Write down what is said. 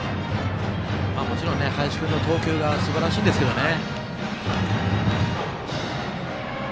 もちろん林君の投球がすばらしいんですけどね。